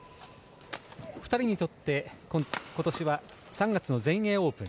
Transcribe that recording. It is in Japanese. ２人にとって今年は３月の全英オープン。